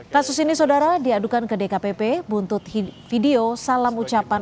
kasus ini saudara diadukan ke dkpp buntut video salam ucapan